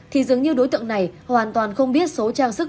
thì dường như đối tượng này hoàn toàn không biết số trang sức